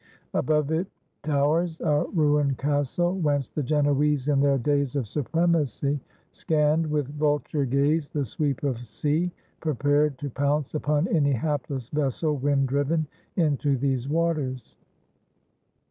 Above it towers a ruined castle, whence the Genoese, in their days of supremacy, scanned with vulture gaze the sweep of sea, prepared to pounce upon any hapless vessel wind driven into these waters.